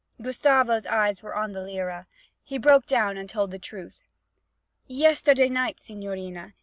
Gustavo's eyes were on the lira; he broke down and told the truth. 'Yesterday night, signorina.